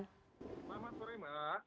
selamat sore ma